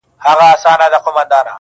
• چي پوره یې کړه د خپل سپي ارمانونه..